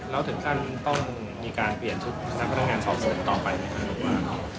แล้วถึงการต้องมีการเปลี่ยนทุกนักพนักงานสอบส่งต่อไปไหมครับ